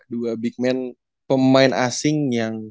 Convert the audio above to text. dua big man pemain asing yang